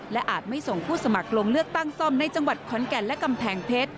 และอาจไม่ส่งผู้สมัครลงเลือกตั้งซ่อมในจังหวัดขอนแก่นและกำแพงเพชร